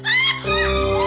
lo cukup sekali